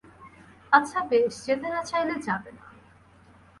আচ্ছা বেশ, যেতে না-চাইলে যাবে না।